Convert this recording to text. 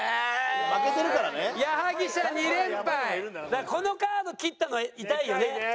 だからこのカード切ったのは痛いよね。